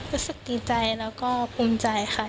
รู้สึกดีใจแล้วก็ภูมิใจค่ะ